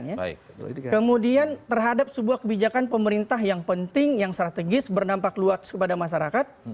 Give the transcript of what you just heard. kemudian terhadap sebuah kebijakan pemerintah yang penting yang strategis berdampak luas kepada masyarakat